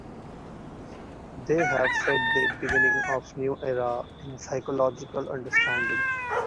They have set the beginning of new era in physiological understanding.